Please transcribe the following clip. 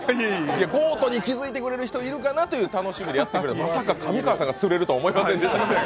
ゴートに気付いてくれる人いるかなと思ってましたがまさか上川さんが釣れるとは思いませんでしたが。